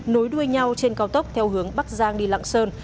nối đuôi nhau trên cao tốc theo hướng bắc giang đi lạng sơn